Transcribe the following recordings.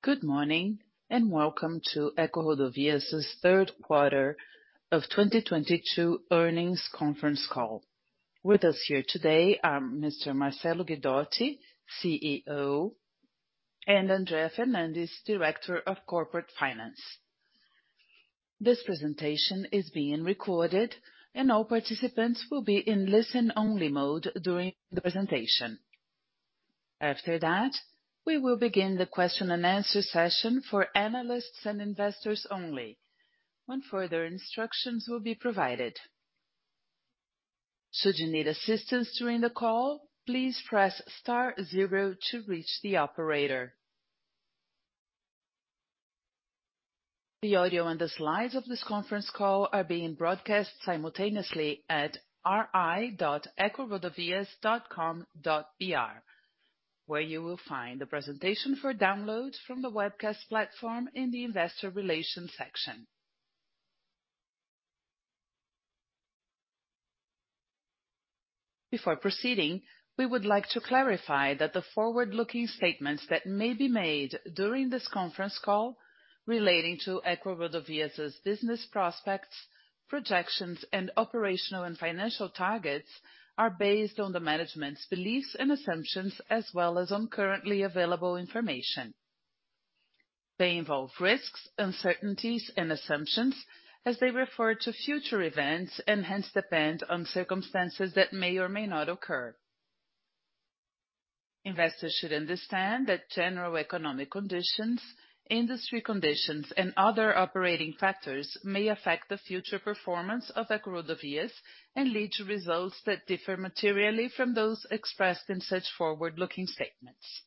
Good morning, and welcome to EcoRodovias's third quarter of 2022 earnings conference call. With us here today are Mr. Marcello Guidotti, CEO, and Andrea Fernandes, Director of Corporate Finance. This presentation is being recorded and all participants will be in listen-only mode during the presentation. After that, we will begin the question and answer session for analysts and investors only, when further instructions will be provided. Should you need assistance during the call, please press star zero to reach the operator. The audio and the slides of this conference call are being broadcast simultaneously at ri.ecorodovias.com.br, where you will find the presentation for download from the webcast platform in the investor relations section. Before proceeding, we would like to clarify that the forward-looking statements that may be made during this conference call relating to EcoRodovias's business prospects, projections, and operational and financial targets are based on the management's beliefs and assumptions as well as on currently available information. They involve risks, uncertainties, and assumptions as they refer to future events, and hence depend on circumstances that may or may not occur. Investors should understand that general economic conditions, industry conditions, and other operating factors may affect the future performance of EcoRodovias and lead to results that differ materially from those expressed in such forward-looking statements.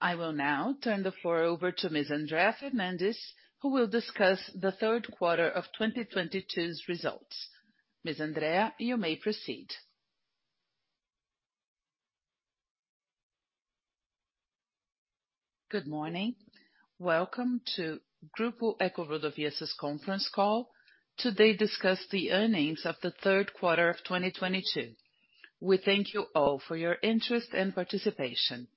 I will now turn the floor over to Ms. Andrea Fernandes, who will discuss the third quarter of 2022's results. Ms. Andrea, you may proceed. Good morning. Welcome to Grupo EcoRodovias's conference call to discuss today the earnings of the third quarter of 2022. We thank you all for your interest and participation.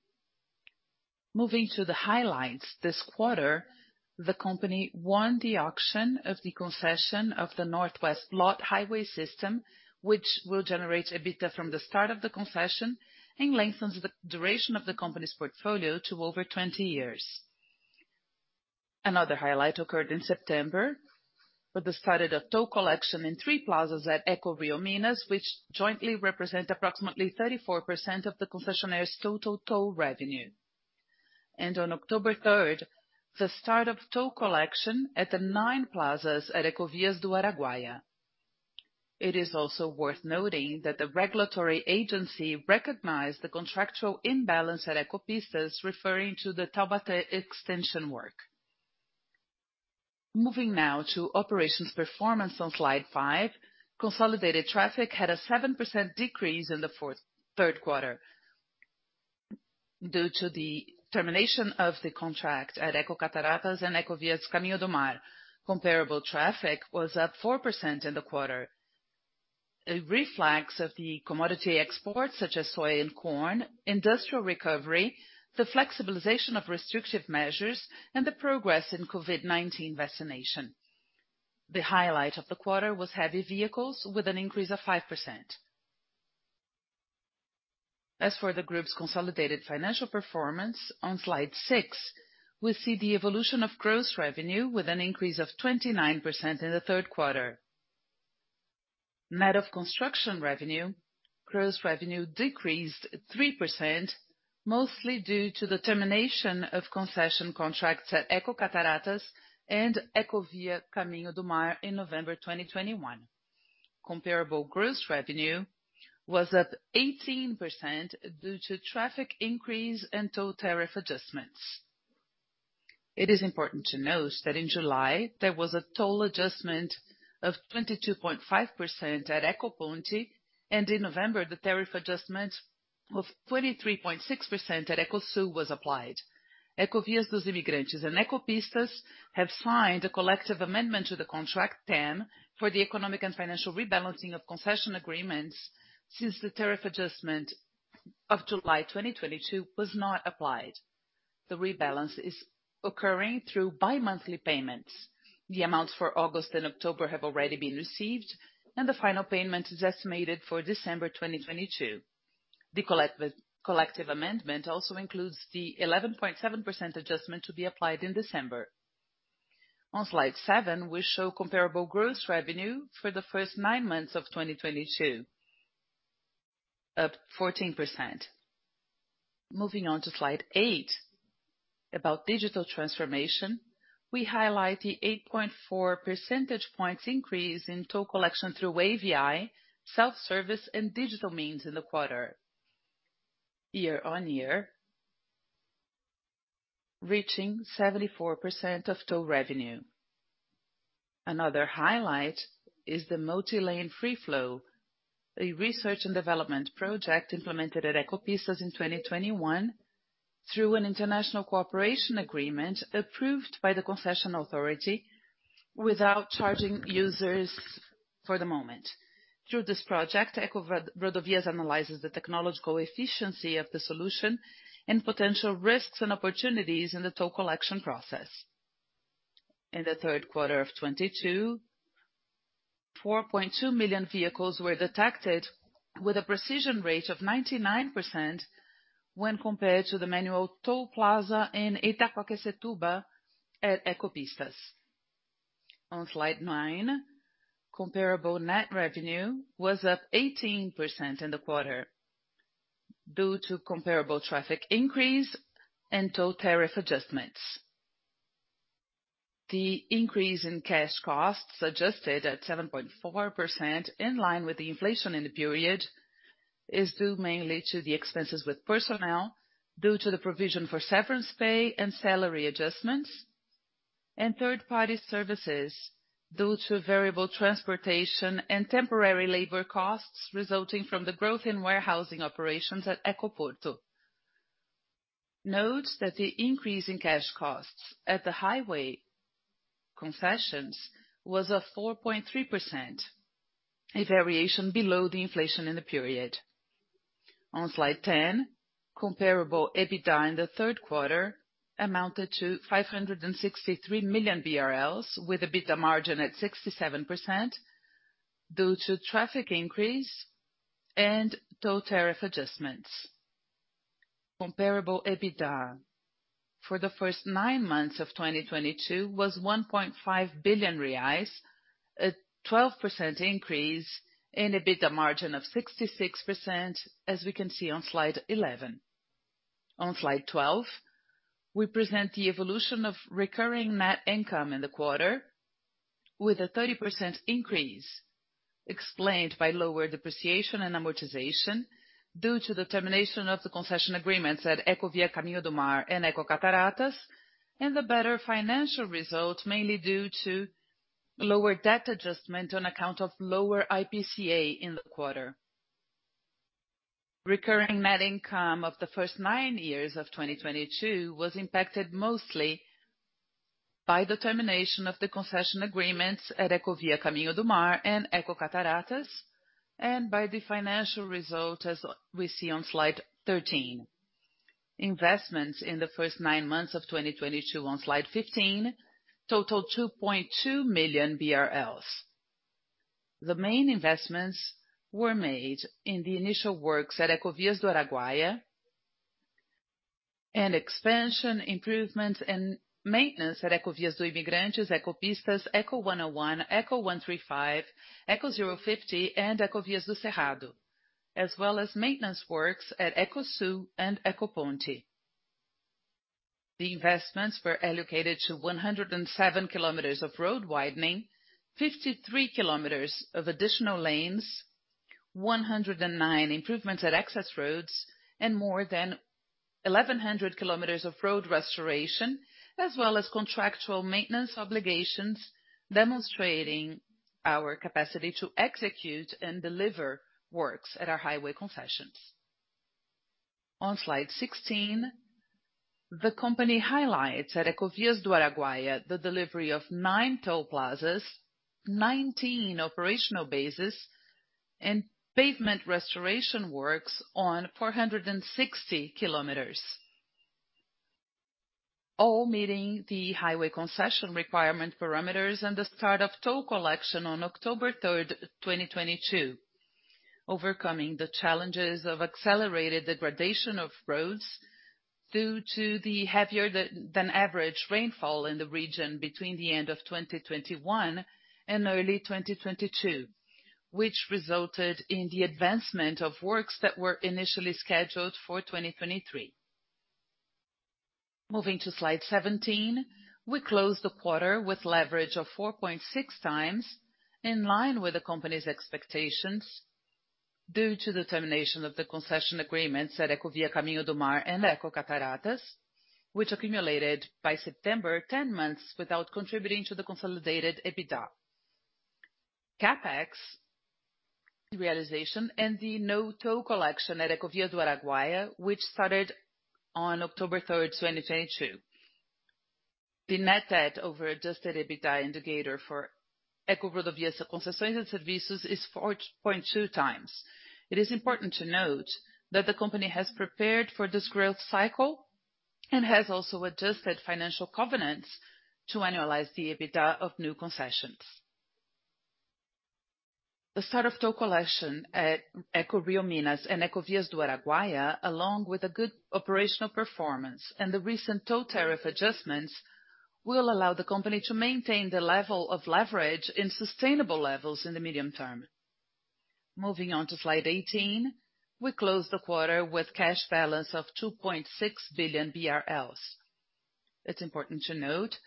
Moving to the highlights, this quarter, the company won the auction of the concession of the Northwest Lot Highway System, which will generate EBITDA from the start of the concession and lengthens the duration of the company's portfolio to over 20 years. Another highlight occurred in September with the start of toll collection in 3 plazas at EcoRioMinas, which jointly represent approximately 34% of the concessionaire's total toll revenue. On October third, the start of toll collection at the 9 plazas at Ecovias do Araguaia. It is also worth noting that the regulatory agency recognized the contractual imbalance at Ecopistas, referring to the Taubaté extension work. Moving now to operations performance on slide 5, consolidated traffic had a 7% decrease in the third quarter due to the termination of the contract at Ecocataratas and Ecovia Caminho do Mar. Comparable traffic was up 4% in the quarter, a reflex of the commodity exports such as soy and corn, industrial recovery, the flexibilization of restrictive measures, and the progress in COVID-19 vaccination. The highlight of the quarter was heavy vehicles with an increase of 5%. As for the group's consolidated financial performance on slide 6, we see the evolution of gross revenue with an increase of 29% in the third quarter. Net of construction revenue, gross revenue decreased 3%, mostly due to the termination of concession contracts at Ecocataratas and Ecovia Caminho do Mar in November 2021. Comparable gross revenue was up 18% due to traffic increase and toll tariff adjustments. It is important to note that in July, there was a toll adjustment of 22.5% at Ecoponte, and in November, the tariff adjustment of 23.6% at Ecosul was applied. Ecovias dos Imigrantes and Ecopistas have signed a collective amendment to the contract ten for the economic and financial rebalancing of concession agreements since the tariff adjustment of July 2022 was not applied. The rebalance is occurring through bimonthly payments. The amounts for August and October have already been received, and the final payment is estimated for December 2022. The collective amendment also includes the 11.7% adjustment to be applied in December. On slide 7, we show comparable gross revenue for the first 9 months of 2022, up 14%. Moving on to slide 8, about digital transformation, we highlight the 8.4 percentage points increase in toll collection through AVI, self-service, and digital means in the quarter year-on-year, reaching 74% of toll revenue. Another highlight is the multi-lane free flow, a research and development project implemented at Ecopistas in 2021 through an international cooperation agreement approved by the concession authority without charging users for the moment. Through this project, EcoRodovias analyzes the technological efficiency of the solution and potential risks and opportunities in the toll collection process. In the third quarter of 2022, 4.2 million vehicles were detected with a precision rate of 99% when compared to the manual toll plaza in Itaquaquecetuba at Ecopistas. On slide 9, comparable net revenue was up 18% in the quarter due to comparable traffic increase and toll tariff adjustments. The increase in cash costs adjusted at 7.4%, in line with the inflation in the period, is due mainly to the expenses with personnel due to the provision for severance pay and salary adjustments, and third-party services due to variable transportation and temporary labor costs resulting from the growth in warehousing operations at Ecoporto. Note that the increase in cash costs at the highway concessions was a 4.3%, a variation below the inflation in the period. On slide 10, comparable EBITDA in the third quarter amounted to 563 million BRL, with EBITDA margin at 67% due to traffic increase and toll tariff adjustments. Comparable EBITDA for the first nine months of 2022 was 1.5 billion reais, a 12% increase in EBITDA margin of 66%, as we can see on slide 11. On slide 12, we present the evolution of recurring net income in the quarter with a 30% increase explained by lower depreciation and amortization due to the termination of the concession agreements at Ecovia Caminho do Mar and Ecocataratas and the better financial result, mainly due to lower debt adjustment on account of lower IPCA in the quarter. Recurring net income of the first nine months of 2022 was impacted mostly by the termination of the concession agreements at Ecovia Caminho do Mar and Ecocataratas and by the financial result as we see on slide 13. Investments in the first nine months of 2022 on slide 15 totaled 2.2 million BRL. The main investments were made in the initial works at Ecovias do Araguaia and expansion improvements and maintenance at Ecovias dos Imigrantes, Ecopistas, Eco101, Eco135, Eco050, and Ecovias do Cerrado, as well as maintenance works at Ecosul and Ecoponte. The investments were allocated to 107 kilometers of road widening, 53 kilometers of additional lanes, 109 improvements at access roads, and more than 1,100 kilometers of road restoration, as well as contractual maintenance obligations, demonstrating our capacity to execute and deliver works at our highway concessions. On slide 16, the company highlights at Ecovias do Araguaia the delivery of nine toll plazas, 19 operational bases, and pavement restoration works on 460 kilometers. All meeting the highway concession requirement parameters and the start of toll collection on October 3, 2022, overcoming the challenges of accelerated degradation of roads due to the heavier than average rainfall in the region between the end of 2021 and early 2022, which resulted in the advancement of works that were initially scheduled for 2023. Moving to slide 17. We closed the quarter with leverage of 4.6 times, in line with the company's expectations due to the termination of the concession agreements at Ecovia Caminho do Mar and Ecocataratas, which accumulated by September 10 months without contributing to the consolidated EBITDA, CapEx realization and the no-toll collection at Ecovias do Araguaia, which started on October 3, 2022. The net debt over adjusted EBITDA indicator for EcoRodovias Concessões e Serviços is 4.2 times. It is important to note that the company has prepared for this growth cycle and has also adjusted financial covenants to annualize the EBITDA of new concessions. The start of toll collection at EcoRioMinas and Ecovias do Araguaia, along with a good operational performance and the recent toll tariff adjustments, will allow the company to maintain the level of leverage in sustainable levels in the medium term. Moving on to slide 18. We closed the quarter with cash balance of 2.6 billion BRL. It's important to note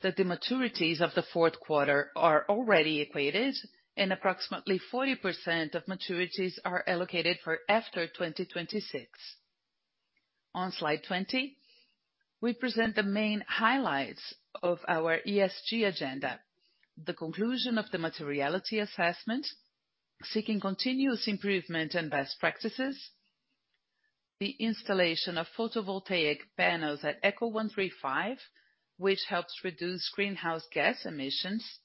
that the maturities of the fourth quarter are already equated and approximately 40% of maturities are allocated for after 2026. On slide 20, we present the main highlights of our ESG agenda. The conclusion of the materiality assessment, seeking continuous improvement and best practices. The installation of photovoltaic panels at Eco135, which helps reduce greenhouse gas emissions.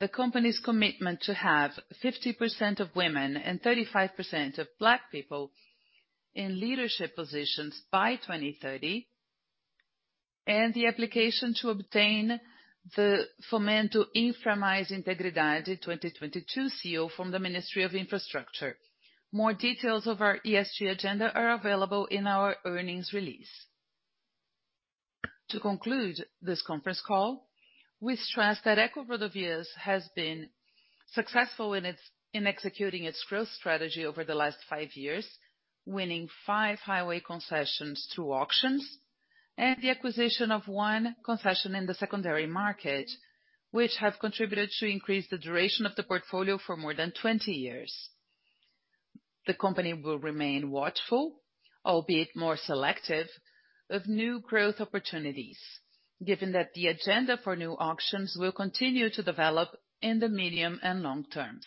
The company's commitment to have 50% of women and 35% of black people in leadership positions by 2030, and the application to obtain the Fomento Infra Mais Integridade 2022 seal from the Ministry of Infrastructure. More details of our ESG agenda are available in our earnings release. To conclude this conference call, we stress that EcoRodovias has been successful in executing its growth strategy over the last five years, winning five highway concessions through auctions and the acquisition of one concession in the secondary market, which have contributed to increase the duration of the portfolio for more than 20 years. The company will remain watchful, albeit more selective, of new growth opportunities, given that the agenda for new auctions will continue to develop in the medium and long terms.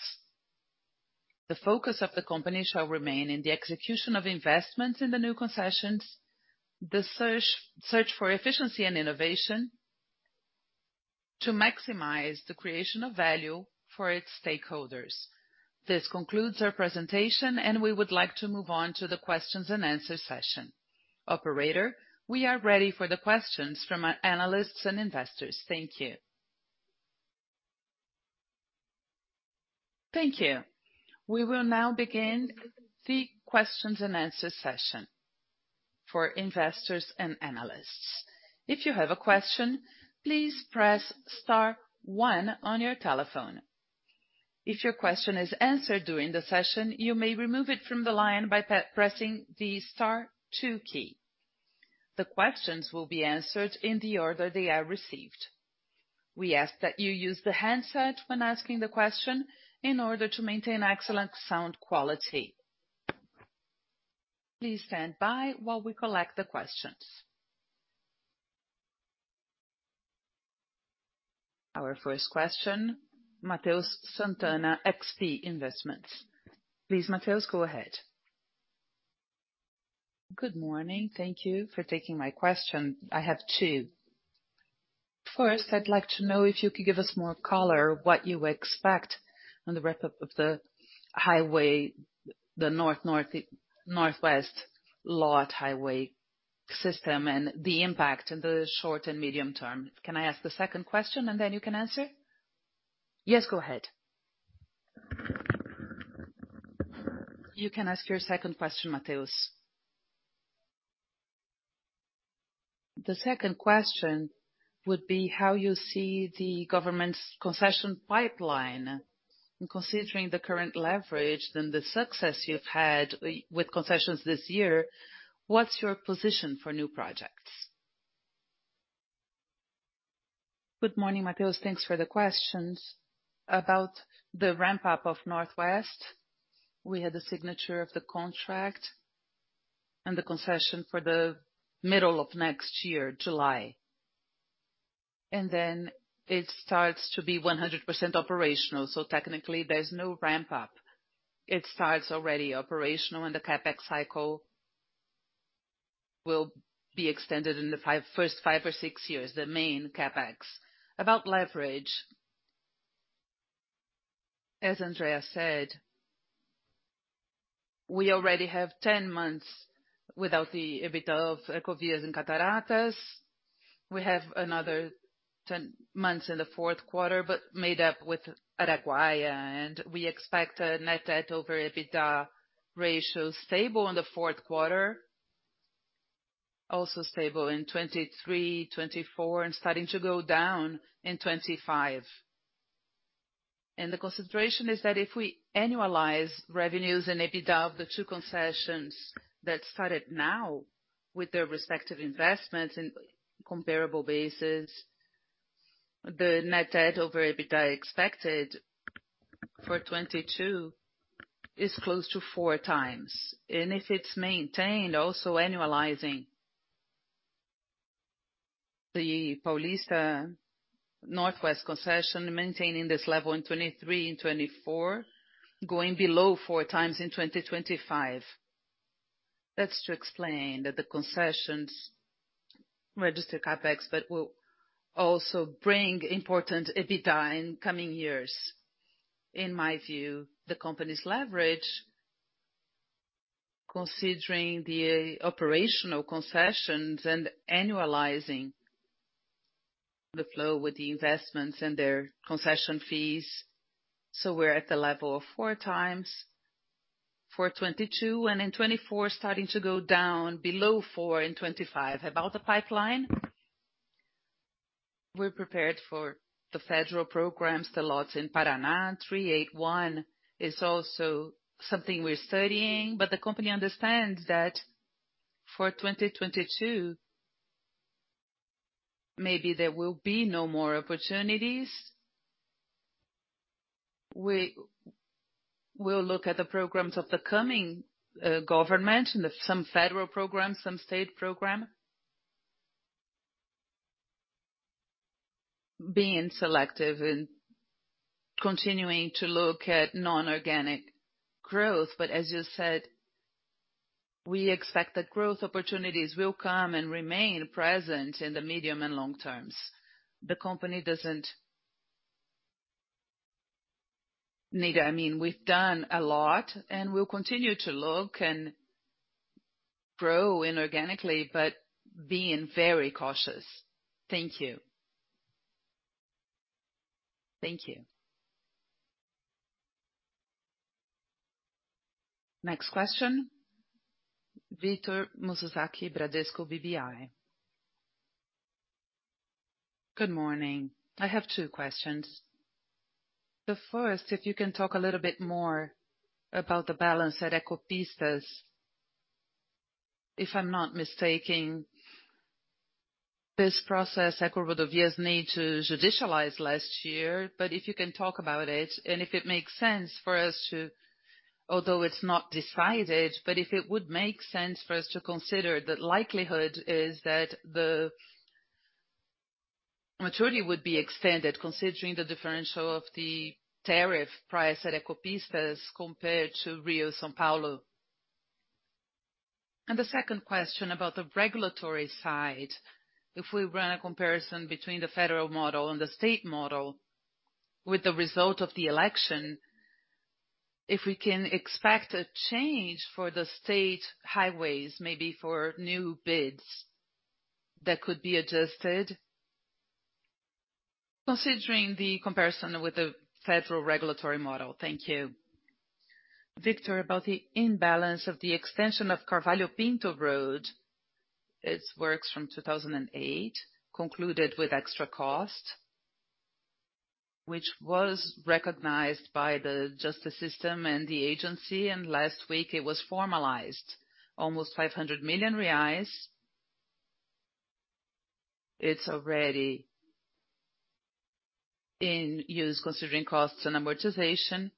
The focus of the company shall remain in the execution of investments in the new concessions, the search for efficiency and innovation to maximize the creation of value for its stakeholders. This concludes our presentation, and we would like to move on to the questions and answer session. Operator, we are ready for the questions from our analysts and investors. Thank you. Thank you. We will now begin the questions and answers session for investors and analysts. If you have a question, please press star one on your telephone. If your question is answered during the session, you may remove it from the line by pressing the star two key. The questions will be answered in the order they are received. We ask that you use the handset when asking the question in order to maintain excellent sound quality. Please stand by while we collect the questions. Our first question, Matheus Sant'Anna, XP Investimentos. Please, Matheus, go ahead. Good morning. Thank you for taking my question. I have two. First, I'd like to know if you could give us more color on what you expect on the ramp up of the highway, the Northwest Lot Highway System and the impact in the short and medium term. Can I ask the second question and then you can answer? Yes, go ahead. You can ask your second question, Matheus. The second question would be how you see the government's concession pipeline, considering the current leverage and the success you've had with concessions this year, what's your position for new projects? Good morning, Matheus. Thanks for the questions. About the ramp up of Northwest Lot. We had the signature of the contract and the concession for the middle of next year, July, and then it starts to be 100% operational. Technically, there's no ramp up. It starts already operational, and the CapEx cycle will be extended in the first five or six years, the main CapEx. About leverage, as Andrea said, we already have 10 months without the EBITDA of Ecovias and Ecocataratas. We have another 10 months in the fourth quarter, but made up with Araguaia, and we expect a net debt over EBITDA ratio stable in the fourth quarter, also stable in 2023, 2024 and starting to go down in 2025. The consideration is that if we annualize revenues and EBITDA of the two concessions that started now with their respective investments in comparable basis, the net debt over EBITDA expected for 2022 is close to 4x. If it's maintained, also annualizing the Noroeste Paulista concession, maintaining this level in 2023 and 2024, going below 4x in 2025. That's to explain that the concessions register CapEx but will also bring important EBITDA in coming years. In my view, the company's leverage, considering the operational concessions and annualizing the flow with the investments and their concession fees. We're at the level of 4x for 2022 and in 2024, starting to go down below 4x in 2025. About the pipeline, we're prepared for the federal programs, the lots in Paraná. BR-381 is also something we're studying, but the company understands that for 2022, maybe there will be no more opportunities. We will look at the programs of the coming government and some federal programs, some state programs. Being selective and continuing to look at inorganic growth. As you said, we expect that growth opportunities will come and remain present in the medium and long terms. The company doesn't need. I mean, we've done a lot, and we'll continue to look and grow inorganically, but being very cautious. Thank you. Thank you. Next question, Victor Mizusaki, Bradesco BBI. Good morning. I have two questions. The first, if you can talk a little bit more about the balance at Ecopistas. If I'm not mistaken, this process EcoRodovias need to judicialize last year, but if you can talk about it and if it makes sense for us to, although it's not decided, but if it would make sense for us to consider the likelihood is that the maturity would be extended considering the differential of the tariff price at Ecopistas compared to Rio, São Paulo. The second question about the regulatory side. If we run a comparison between the federal model and the state model with the result of the election, if we can expect a change for the state highways, maybe for new bids that could be adjusted, considering the comparison with the federal regulatory model. Thank you. Victor Mizusaki, about the imbalance of the extension of Carvalho Pinto Road, its works from 2008 concluded with extra cost, which was recognized by the justice system and the agency, and last week it was formalized. Almost 500 million reais. It's already in use considering costs and amortization.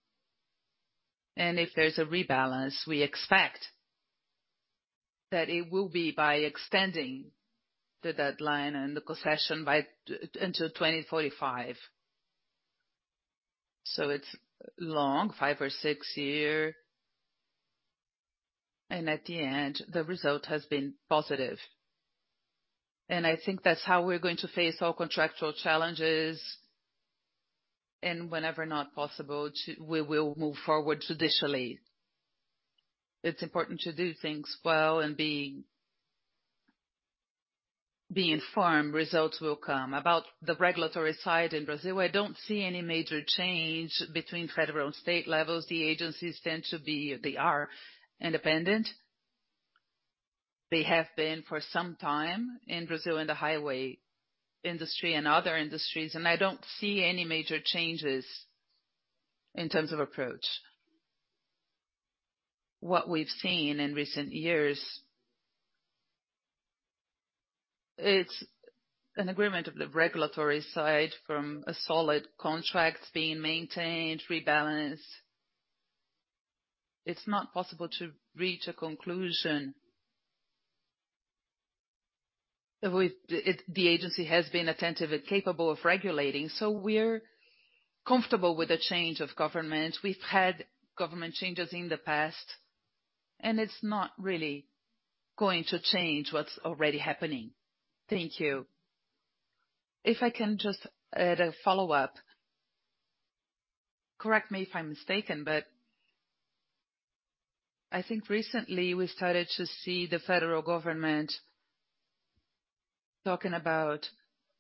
If there's a rebalance, we expect that it will be by extending the deadline and the concession until 2045. It's long, five or six year. At the end, the result has been positive. I think that's how we're going to face all contractual challenges. Whenever not possible to, we will move forward judicially. It's important to do things well and be informed results will come. About the regulatory side in Brazil, I don't see any major change between federal and state levels. The agencies tend to be, they are independent. They have been for some time in Brazil, in the highway industry and other industries, and I don't see any major changes in terms of approach. What we've seen in recent years, it's an agreement of the regulatory side from a solid contract being maintained, rebalanced. The agency has been attentive and capable of regulating, so we're comfortable with the change of government. We've had government changes in the past, and it's not really going to change what's already happening. Thank you. If I can just add a follow-up. Correct me if I'm mistaken, but I think recently we started to see the federal government talking about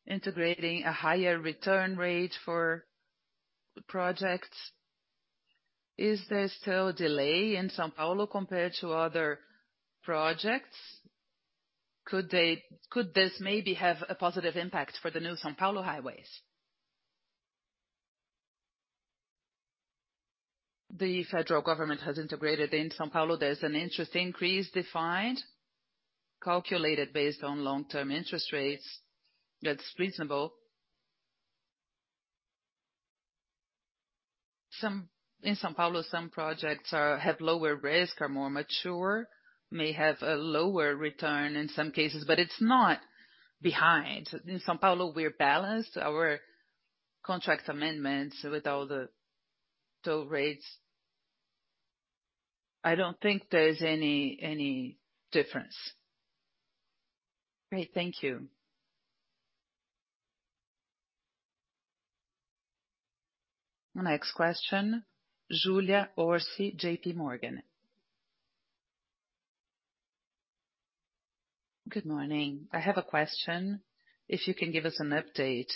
integrating a higher return rate for projects. Is there still a delay in São Paulo compared to other projects? Could this maybe have a positive impact for the new São Paulo highways? The federal government has integrated. In São Paulo, there's an interest increase defined, calculated based on long-term interest rates. That's reasonable. In São Paulo, some projects have lower risk, are more mature, may have a lower return in some cases, but it's not behind. In São Paulo, we're balanced. Our contract amendments with all the toll rates. I don't think there's any difference. Great. Thank you. Next question, Julia Orsi, J.P. Morgan. Good morning. I have a question. If you can give us an update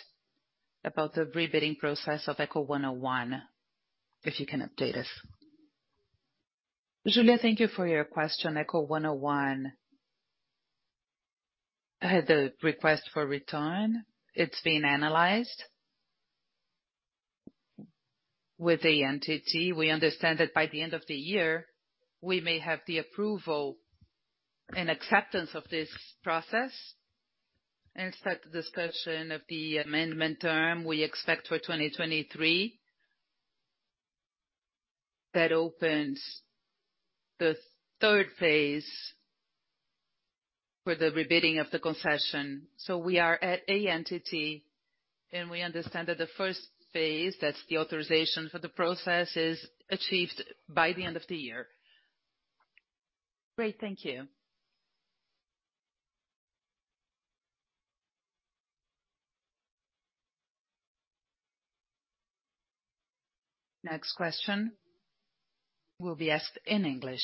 about the rebidding process of Eco101. If you can update us. Julia, thank you for your question. Eco101 had the request for return. It's being analyzed with the entity. We understand that by the end of the year, we may have the approval and acceptance of this process. Start discussion of the amendment term we expect for 2023. That opened the third phase for the rebidding of the concession. We are at ANTT and we understand that the first phase, that's the authorization for the process, is achieved by the end of the year. Great. Thank you. Next question will be asked in English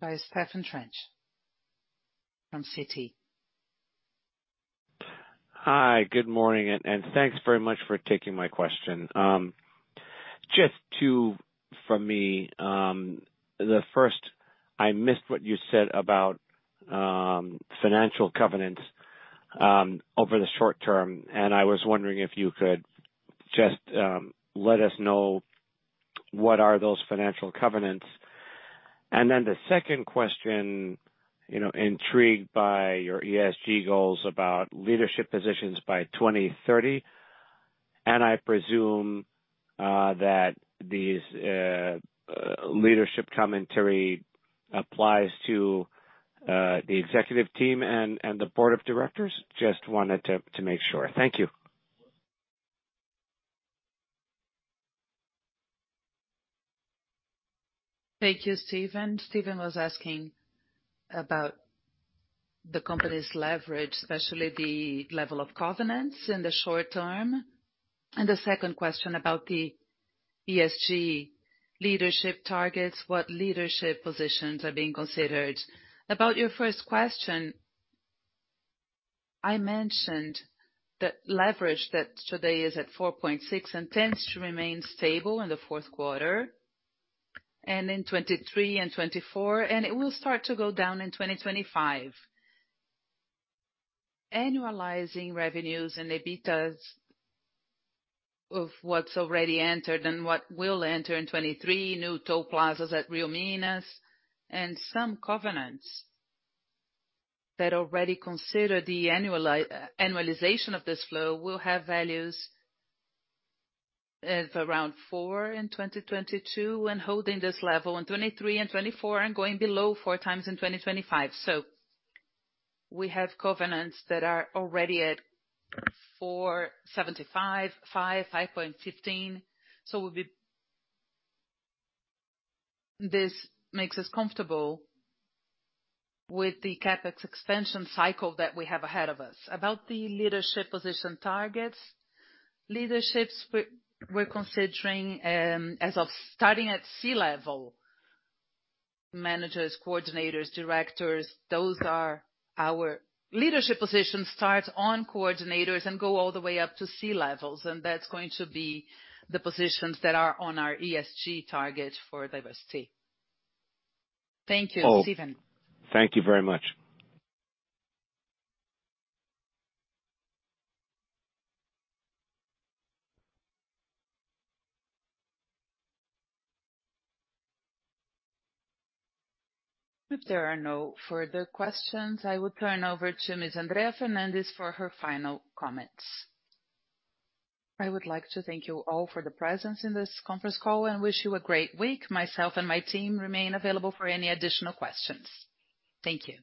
by Stephen Trent from Citi. Hi, good morning, and thanks very much for taking my question. Just 2 from me. The first, I missed what you said about financial covenants over the short term, and I was wondering if you could just let us know what are those financial covenants. Then the second question, you know, intrigued by your ESG goals about leadership positions by 2030, and I presume that these leadership commentary applies to the executive team and the board of directors. Just wanted to make sure. Thank you. Thank you, Stephen. Stephen was asking about the company's leverage, especially the level of covenants in the short term. The second question about the ESG leadership targets, what leadership positions are being considered. About your first question, I mentioned the leverage that today is at 4.6 and tends to remain stable in the fourth quarter, and in 2023 and 2024, and it will start to go down in 2025. Annualizing revenues and EBITDA of what's already entered and what will enter in 2023, new toll plazas at EcoRioMinas, and some covenants that already consider the annualization of this flow will have values of around 4 in 2022, and holding this level in 2023 and 2024, and going below 4x in 2025. We have covenants that are already at 4.75, 5.15. We'll be... This makes us comfortable with the CapEx extension cycle that we have ahead of us. About the leadership position targets. Leaderships we're considering as of starting at C-level. Managers, coordinators, directors, those are our leadership positions start on coordinators and go all the way up to C-levels, and that's going to be the positions that are on our ESG target for diversity. Thank you, Stephen. Thank you very much. If there are no further questions, I will turn over to Ms. Andrea Fernandes for her final comments. I would like to thank you all for the presence in this conference call and wish you a great week. Myself and my team remain available for any additional questions. Thank you.